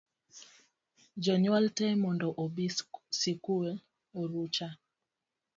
Jonyuol tee mondo obi sikul orucha